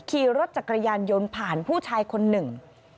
ขี่รถจักรยานยนต์ผ่านผู้ชายคนหนึ่ง